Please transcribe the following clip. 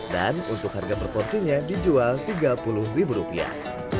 dan untuk harga proporsinya dijual tiga puluh rupiah